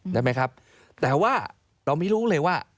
ได้ไหมครับแต่ว่าเราไม่รู้เลยว่า